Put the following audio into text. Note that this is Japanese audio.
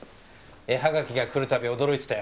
絵はがきが来る度驚いてたよ。